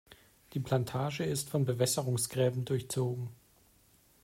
Die Plantage ist von Bewässerungsgräben durchzogen.